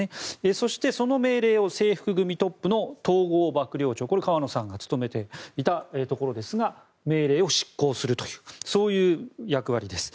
そして、その命令を制服組トップの統合幕僚長、これは河野さんが務めていたところですが命令を執行するというそういう役割です。